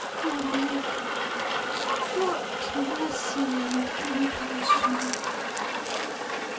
O Meg, what Mercy and Compassion!